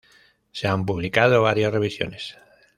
Se han publicado varias revisiones.